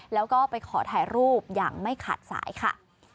แล้วก็ไปขอถ่ายรูปอย่างไม่ขาดสายค่ะ